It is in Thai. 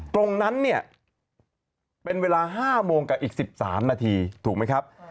ตรงนั้นเนี่ยเป็นเวลา๕โมงกับอีก๑๓นาทีถูกไหมครับ